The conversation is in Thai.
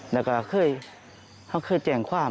และเคยแจ้งความ